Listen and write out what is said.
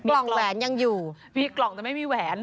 กล่องแหวนยังอยู่มีกล่องแต่ไม่มีแหวน